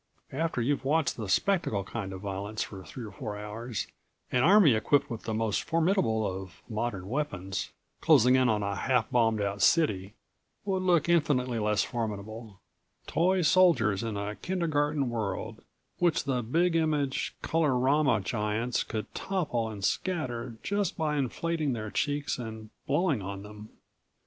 After you've watched the spectacle kind of violence for three or four hours an army equipped with the most formidable of modern weapons, closing in on a half bombed out city would look infinitely less formidable toy soldiers in a kindergarten world which the big image, colorama giants could topple and scatter just by inflating their cheeks and blowing on them.